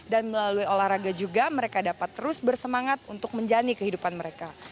dan melalui olahraga juga mereka dapat terus bersemangat untuk menjalani kehidupan mereka